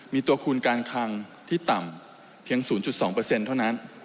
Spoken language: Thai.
มีตัวคูณการคังที่ต่ำเพียง๐๒เท่านั้น